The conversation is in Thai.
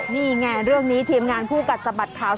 นี่ไงเรื่องนี้ทีมงานคู่กัดสะบัดข่าว